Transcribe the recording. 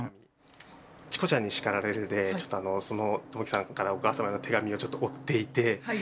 「チコちゃんに叱られる」でトモキさんからお母様への手紙をちょっと追っていてはい。